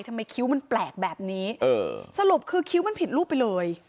คิ้วมันแปลกแบบนี้เออสรุปคือคิ้วมันผิดรูปไปเลย